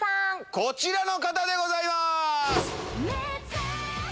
こちらの方でございます。